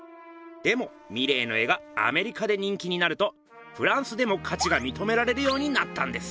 でもミレーの絵がアメリカで人気になるとフランスでもかちがみとめられるようになったんです。